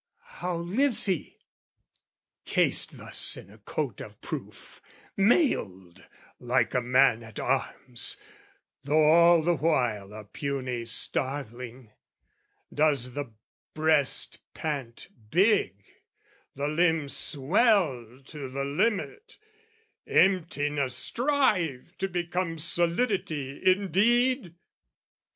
How lives he? Cased thus in a coat of proof, Mailed like a man at arms, though all the while A puny starveling, does the breast pant big, The limb swell to the limit, emptiness Strive to become solidity indeed?